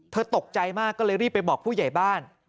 ตกใจมากก็เลยรีบไปบอกผู้ใหญ่บ้าน